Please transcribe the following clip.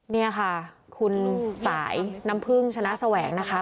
นี่ค่ะคุณสายน้ำพึ่งชนะแสวงนะคะ